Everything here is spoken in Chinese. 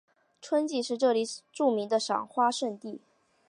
春季这里是著名的赏樱花胜地。